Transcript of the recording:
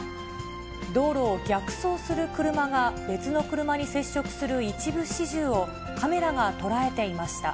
道路を逆走する車が別の車に接触する一部始終を、カメラが捉えていました。